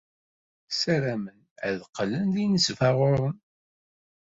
Ssaramen ad qqlen d inesbaɣuren.